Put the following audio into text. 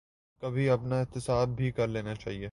کبھی اپنا احتساب بھی کر لینا چاہیے۔